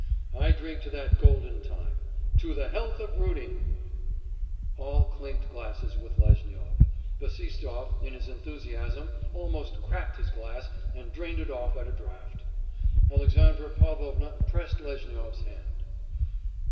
I drink to that golden time to the health of Rudin!' All clinked glasses with Lezhnyov. Bassistoff, in his enthusiasm, almost cracked his glass and drained it off at a draught. Alexandra Pavlovna pressed Lezhnyov's hand.